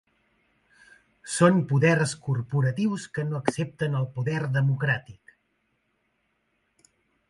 Són poders corporatius que no accepten el poder democràtic.